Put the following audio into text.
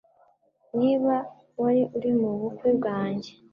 Niba wari uri mubukwe bwanjye